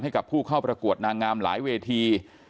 ให้กับผู้เข้าประกวดนางงามหลายเวที